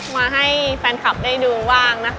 มาให้แฟนคลับได้ดูบ้างนะคะ